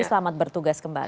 selamat bertugas kembali